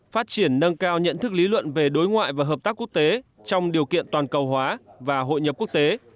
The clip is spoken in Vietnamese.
phát triển nâng cao nhận thức lý luận về đối ngoại và hợp tác quốc tế trong điều kiện toàn cầu hóa và hội nhập quốc tế